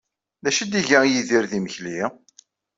D acu ay d-iga Yidir d imekli?